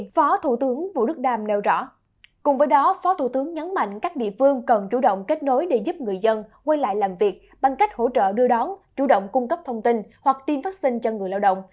phó thủ tướng nhấn mạnh các địa phương cần chủ động kết nối để giúp người dân quay lại làm việc bằng cách hỗ trợ đưa đón chủ động cung cấp thông tin hoặc tiêm vaccine cho người lao động